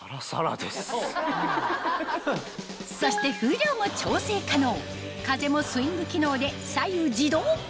そして風量も調整可能風もスイング機能で左右自動